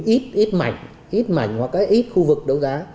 ít ít mảnh ít mảnh hoặc là ít khu vực đấu giá